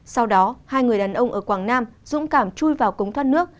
sau đó hai người đàn ông ở quảng nam dũng cảm chui vào cống thoát nước